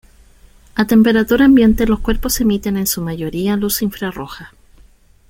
A temperatura ambiente los cuerpos emiten en su mayoría luz infrarroja.